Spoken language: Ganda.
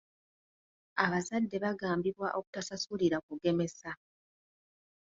Abazadde bagambibwa obutasasulira kugemesa.